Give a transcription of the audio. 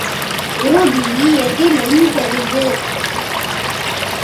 உறுதி எதிலும் பெரிது.